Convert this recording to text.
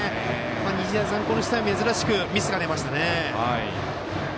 日大三高にしては珍しくミスが出ましたね。